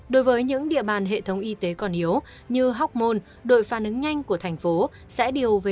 đối với những địa bàn hệ thống y tế còn yếu như hocmon đội phản ứng nhanh của tp hcm